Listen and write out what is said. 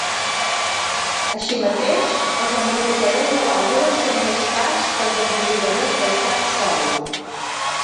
Així mateix, els amplificadors de vàlvules són més cars que els amplificadors d'estat sòlid.